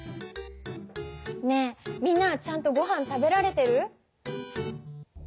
ねえみんなはちゃんとごはん食べられてる？